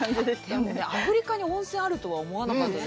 でも、アフリカに温泉あるとは思わなかった。